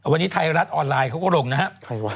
วันนี้ไทยรัฐออนไลน์เขาก็ลงนะครับ